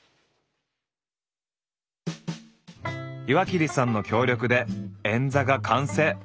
岩切さんの協力で円座が完成。